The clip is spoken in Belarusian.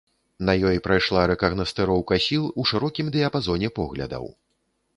На ёй прайшла рэкагнасцыроўка сіл у шырокім дыяпазоне поглядаў.